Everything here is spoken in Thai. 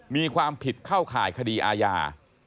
มีความผิดเข้าข่ายคดีอาญา